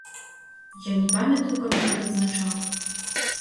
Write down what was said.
Я не памятаю, каб неяк адзначаў.